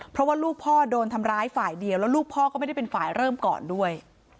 เพราะว่าลูกพ่อโดนทำร้ายฝ่ายเดียวแล้วลูกพ่อก็ไม่ได้เป็นฝ่ายเริ่มก่อนด้วย